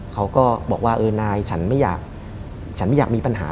เขาก็บอกว่านายฉันไม่อยากมีปัญหา